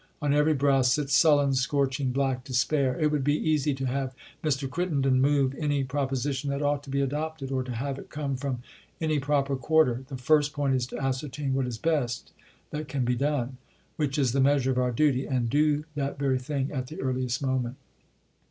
On every brow sits sullen, scorching, black despair. It would be easy to have Mr. Crittenden move any proposition that ought to be adopted, or to have it come from any proper quarter. The first point is to ascertain what is best that can be done, — which is the measure of our duty, — and do that very thing at the earliest moment.